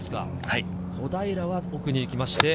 小平は奥に行きました。